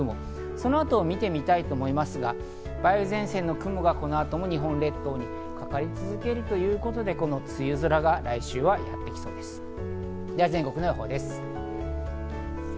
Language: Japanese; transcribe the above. その後を見てみますが、梅雨前線の雲がこの後も日本列島にかかり続けるということで、梅雨空が来週はやってきそうです。